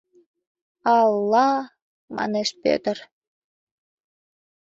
— А-л-а... — манеш Пӧтыр.